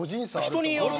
人による。